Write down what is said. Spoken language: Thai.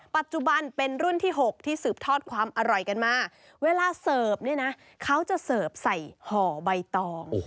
ปัจจุบันเป็นรุ่นที่๖ที่สืบทอดความอร่อยกันมาเวลาเสิร์ฟเนี่ยนะเขาจะเสิร์ฟใส่ห่อใบตอง